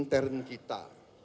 kita benerin intern kita